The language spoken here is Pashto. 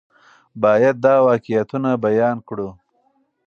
باید دا واقعیتونه بیان کړو.